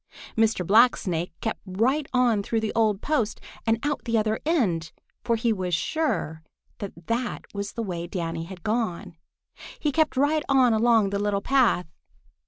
Mr. Blacksnake kept right on through the old post and out the other end, for he was sure that that was the way Danny had gone. He kept right on along the little path.